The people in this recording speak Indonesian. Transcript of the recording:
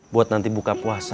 buat nanti buka puasa